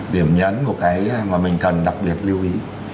điểm nhấn của cái mà mình cần đặc biệt lưu ý